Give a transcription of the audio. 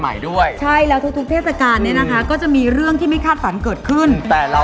ให้ช่วงหน้าน้องเมงน์บอกอย่างละเอียดเลยนะฮะ